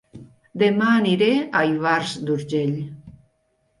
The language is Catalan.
Dema aniré a Ivars d'Urgell